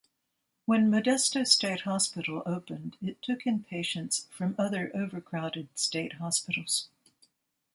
When Modesto State Hospital opened it took in patients from other overcrowded State Hospitals.